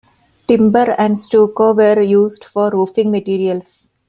Timber and stucco were used for roofing materials.